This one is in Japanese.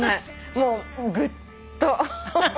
もうぐっと。